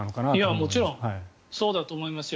もちろんそうだと思いますよ。